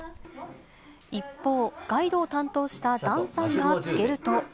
一方、ガイドを担当した檀さんが付けると。